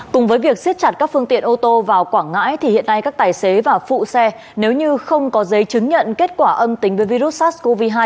cùng với việc siết chặt các phương tiện ô tô vào quảng ngãi thì hiện nay các tài xế và phụ xe nếu như không có giấy chứng nhận kết quả âm tính với virus sars cov hai